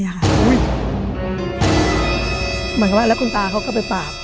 เหมือนกับว่าแล้วคุณตาเขาก็ไปปราบ